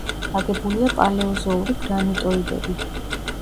აგებულია პალეოზოური გრანიტოიდებით.